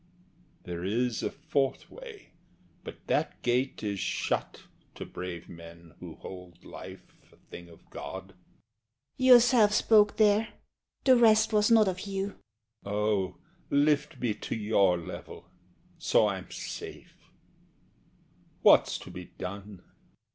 (Pauses.) There is a fourth way; but that gate is shut To brave men who hold life a thing of God. SHE. Yourself spoke there; the rest was not of you. HE. Oh, lift me to your level! So I'm safe. What's to be done? SHE.